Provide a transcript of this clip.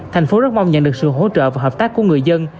thành phố rất mong nhận được sự hỗ trợ và hợp tác của người dân